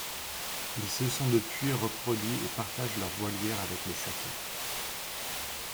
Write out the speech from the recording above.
Ils se sont depuis reproduits et partagent leur volière avec les sakis.